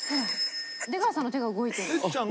「出川さんの手が動いてるの」